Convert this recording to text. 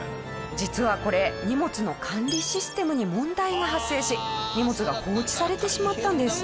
実はこれ荷物の管理システムに問題が発生し荷物が放置されてしまったんです。